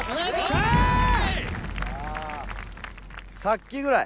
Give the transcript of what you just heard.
さっきぐらい。